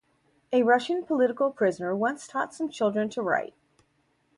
A Russian political prisoner once taught some children to write.